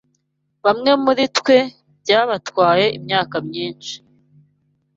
Bamwe muri twe byabatwaye imyaka myinshi